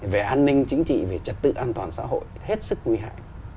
về an ninh chính trị về trật tự an toàn xã hội hết sức nguy hại